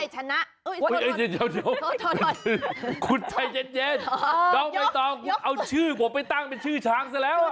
จะเรียกไอ้ชนะ